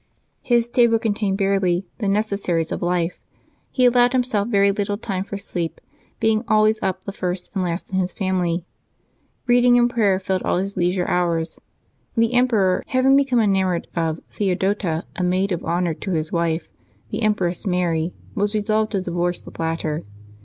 His table contained barely the necessaries of life ; he allowed himself very little time for sleep, being always up the first and last in his family. Eeading and praj^er filled all his leisure hours. The emperor having become enamoured of Theo dota, a maid of honor to his wife, the Empress Mar} , was resolved to divorce the latter.